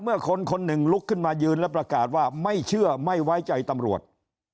คนคนหนึ่งลุกขึ้นมายืนแล้วประกาศว่าไม่เชื่อไม่ไว้ใจตำรวจ